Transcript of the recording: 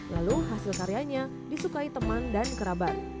lalu hasil karyanya disukai teman dan kerabat